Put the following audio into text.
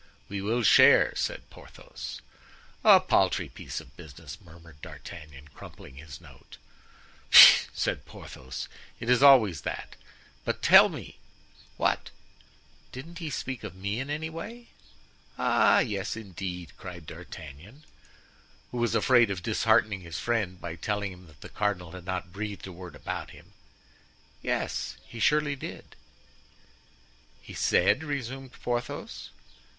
"We will share," said Porthos. "A paltry piece of business!" murmured D'Artagnan crumpling his note. "Pooh!" said Porthos, "it is always that. But tell me——" "What?" "Didn't he speak of me in any way?" "Ah! yes, indeed!" cried D'Artagnan, who was afraid of disheartening his friend by telling him that the cardinal had not breathed a word about him; "yes, surely, he said——" "He said?" resumed Porthos.